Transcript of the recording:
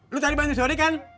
lo cari bantu si odi kan